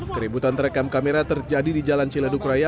keributan terekam kamera terjadi di jalan ciladukraya